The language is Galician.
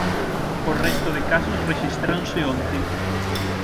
O resto de casos rexistráronse onte.